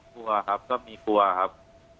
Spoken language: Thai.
กลัวครับก็มีกลัวครับ